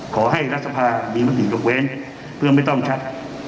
ข้อต้อนรับ